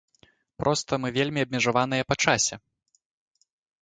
Проста, мы вельмі абмежаваныя па часе.